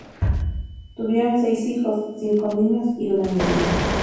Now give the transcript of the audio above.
Tuvieron seis hijos, cinco niños y una niña.